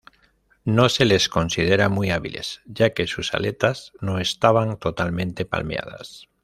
No se les considera muy hábiles, ya que sus aletas no estaban totalmente palmeadas.